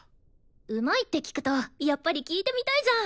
うまいって聞くとやっぱり聴いてみたいじゃん。